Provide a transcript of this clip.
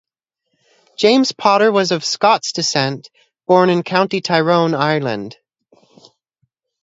James Potter was of Scots descent, born in County Tyrone, Ireland.